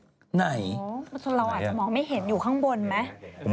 เราอาจจะมองไม่เห็นอยู่ข้างบนไหม